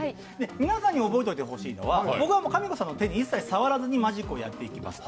皆さんに覚えておいてほしいのはかみこさんの手に一切触らずにマジックをします。